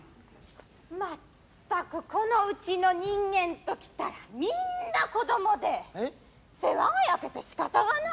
全くこのうちの人間と来たらみんな子供で世話が焼けてしかたがない。